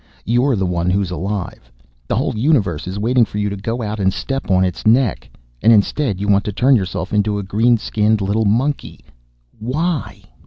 You're the one who's alive; the whole universe is waiting for you to go out and step on its neck. And instead you want to turn yourself into a green skinned little monkey! Why?"